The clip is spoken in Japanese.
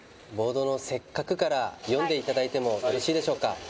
ボードの「せっかく」から読んで頂いてもよろしいでしょうか？